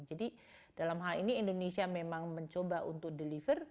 jadi dalam hal ini indonesia memang mencoba untuk deliver